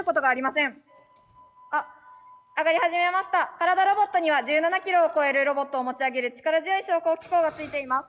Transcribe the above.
からだロボットには１７ｋｇを超えるロボットを持ち上げる力強い昇降機構がついています。